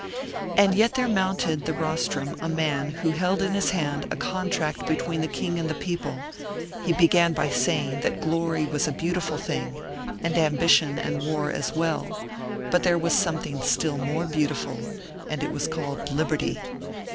And yet there mounted the rostrum a man who held in his hand a contract between the king and the people; he began by saying that glory was a beautiful thing, and ambition and war as well; but there was something still more beautiful, and it was called liberty.